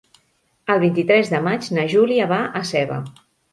El vint-i-tres de maig na Júlia va a Seva.